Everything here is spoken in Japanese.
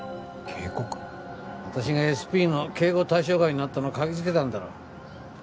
私がＳＰの警護対象外になったのを嗅ぎつけたんだろう。